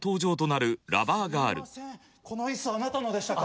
この椅子あなたのでしたか？